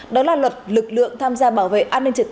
đó là luật lực lượng tham gia bảo vệ an ninh trật tự